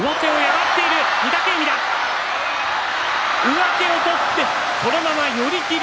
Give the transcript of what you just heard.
上手を取ってそのまま寄り切り。